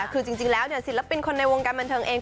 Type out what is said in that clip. เพราะว่าสิริปินคนในวงการบันเทิงเอง